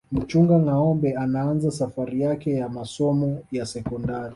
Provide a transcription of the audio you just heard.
mchunga ngâombe anaanza safari yake ya masomo ya sekondari